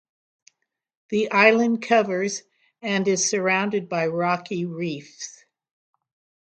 The island covers and is surrounded by rocky reefs.